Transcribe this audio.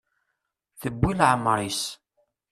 Tewwi leɛmer-is.